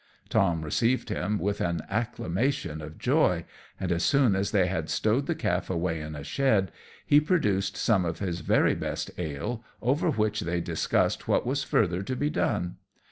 Tom received him with an acclamation of joy; and as soon as they had stowed the calf away in a shed, he produced some of his very best ale, over which they discussed what was further to be done.